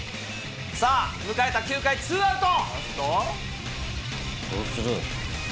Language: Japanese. さあ、迎えた９回ツーアウト。